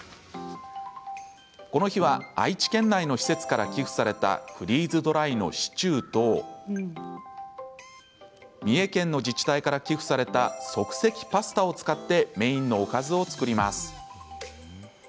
この日は愛知県内の施設から寄付されたフリーズドライのシチューと三重県の自治体から寄付された即席パスタを使ってメインのおかずを作ります。